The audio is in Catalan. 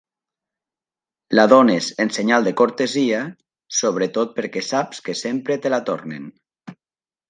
La dónes en senyal de cortesia, sobretot perquè saps que sempre te la tornen.